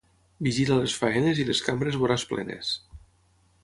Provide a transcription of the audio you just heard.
Vigila les faenes i les cambres veuràs plenes.